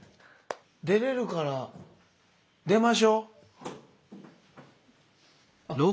出れるから出ましょう。